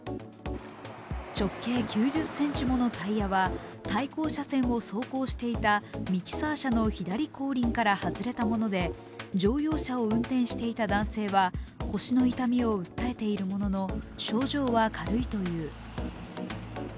直径９０ｃｍものタイヤは対向車線を走行していたミキサー車の左後輪から外れたもので、乗用車を運転していた男性は腰の痛みを訴えているものの症状は軽いという。